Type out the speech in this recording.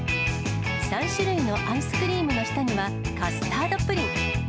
３種類のアイスクリームの下には、カスタードプリン。